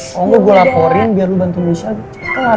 oh engga gue laporin biar lo bantu nisha cekar